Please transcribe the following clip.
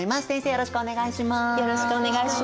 よろしくお願いします。